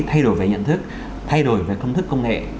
thay đổi về nhận thức thay đổi về công thức công nghệ